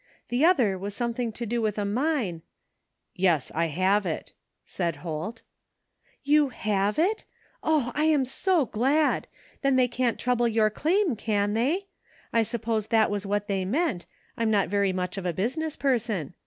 The other was something to do with a mine *'" Yes, I have it," said Holt " You have it ? Oh, I am so glad I Then they can't trouble your claim, can they? I suppose that was what they meant, I'm not very much of a business per son.